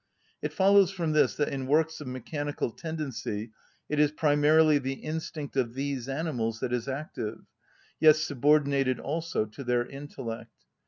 It follows from this that in works of mechanical tendency it is primarily the instinct of these animals that is active, yet subordinated also to their intellect.